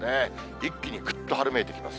一気にぐっと春めいてきます。